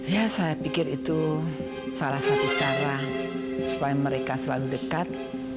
ya saya pikir itu salah satu cara supaya mereka selalu dekat